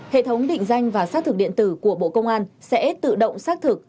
hệ thống định danh và xác thực điện tử của bộ công an sẽ tự động xác thực